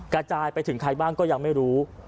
กระจายไปถึงใครบ้างก็ยังไม่รู้